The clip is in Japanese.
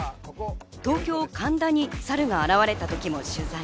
東京・神田にサルが現れた時も取材。